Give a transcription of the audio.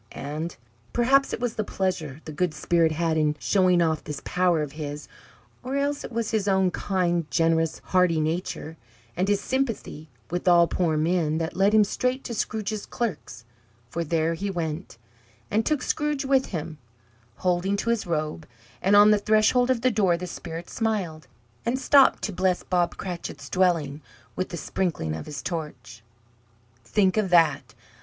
And perhaps it was the pleasure the good Spirit had in showing off this power of his, or else it was his own kind, generous, hearty nature, and his sympathy with all poor men, that led him straight to Scrooge's clerk's; for there he went, and took Scrooge with him, holding to his robe; and on the threshold of the door the Spirit smiled, and stopped to bless Bob Cratchit's dwelling with the sprinklings of his torch. Think of that!